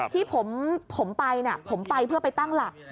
ที่ผมไปผมไปเพื่อไปตั้งหลัก